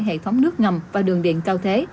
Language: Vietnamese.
có bảy hệ thống nước ngầm và đường điện cao thế